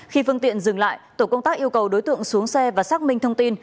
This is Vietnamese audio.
khi phương tiện dừng lại tổ công tác yêu cầu đối tượng xuống xe và xác minh thông tin